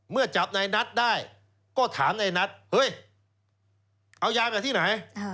เมื่อจับในนัดได้ก็ถามในนัดเฮ้ยเอายามาที่ไหน